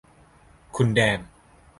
คุณแดง